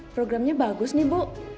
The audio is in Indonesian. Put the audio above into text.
programnya bagus nih bu